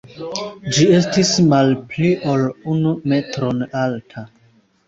Ĝi estis malpli ol unu metron alta.